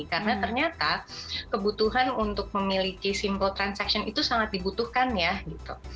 karena ternyata kebutuhan untuk memiliki simple transaction itu sangat dibutuhkan ya gitu